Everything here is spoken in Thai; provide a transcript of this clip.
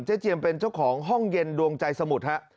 เจเจียมเป็นเจ้าของห้องเย็นดวงใจสมุทรฮะ